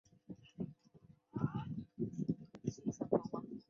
包含了完美的一切技术细节